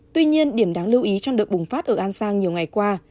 tuy nhiên điểm đáng lưu ý trong đợt bùng phát ở an giang nhiều ngày qua